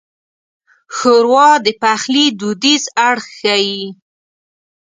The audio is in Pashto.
ښوروا د پخلي دودیز اړخ ښيي.